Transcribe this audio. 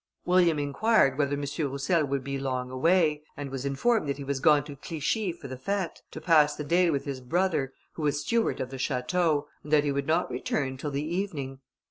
William inquired whether M. Roussel would be long away, and was informed that he was gone to Clichi for the fête, to pass the day with his brother, who was steward of the château, and that he would not return till the evening.